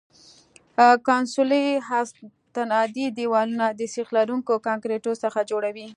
کنسولي استنادي دیوالونه د سیخ لرونکي کانکریټو څخه جوړیږي